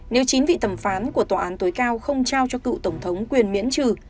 nếu chính vị tầm phán của tòa án tối cao không trao cho cựu tổng thống quyền miễn trừ